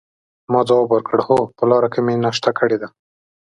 ما ځواب ورکړ: هو، په لاره کې مې ناشته کړې ده.